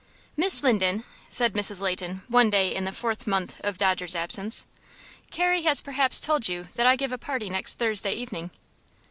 "Miss Linden," said Mrs. Leighton, one day in the fourth month of Dodger's absence, "Carrie has perhaps told you that I give a party next Thursday evening."